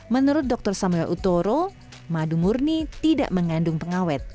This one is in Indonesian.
menurut dokter samuel utoro madu murni tidak mengandung pengawet